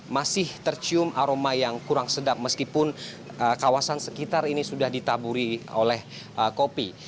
masih tercium aroma yang kurang sedap meskipun kawasan sekitar ini sudah ditaburi oleh kopi